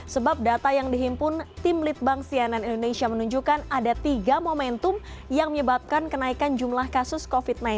sebab data yang dihimpun tim litbang cnn indonesia menunjukkan ada tiga momentum yang menyebabkan kenaikan jumlah kasus covid sembilan belas